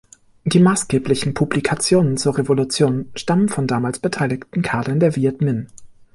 Die maßgeblichen Publikationen zur Revolution stammen von damals beteiligten Kadern der Viet Minh.